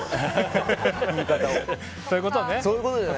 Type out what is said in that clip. そういうことね。